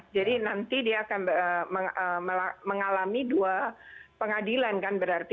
jadi nanti dia akan mengalami dua pengadilan kan berarti